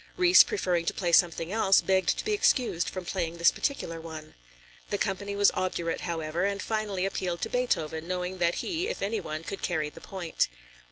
Ries preferring to play something else, begged to be excused from playing this particular one. The company was obdurate, however, and finally appealed to Beethoven, knowing that he, if any one, could carry the point.